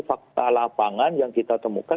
fakta lapangan yang kita temukan